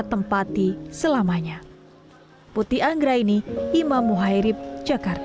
tempati selamanya putih anggra ini imam muhairib jakarta